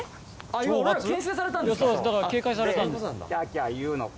今俺らけん制されたんですか？